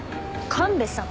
神戸さん？